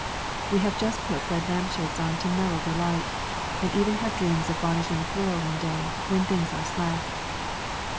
We have just put red lampshades on to mellow the light, and even have dreams of varnishing the floor one day, when things are slack.